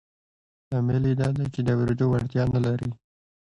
لامل یې دا دی چې د اورېدو وړتیا نه لري